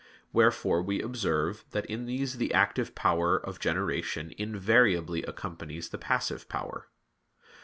Wherefore we observe that in these the active power of generation invariably accompanies the passive power.